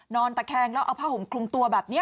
ตะแคงแล้วเอาผ้าห่มคลุมตัวแบบนี้